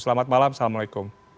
selamat malam assalamualaikum